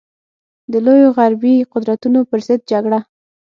د لویو غربي قدرتونو پر ضد جګړه.